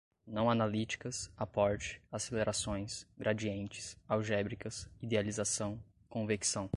não-analíticas, aporte, acelerações, gradientes, algébricas, idealização, convecção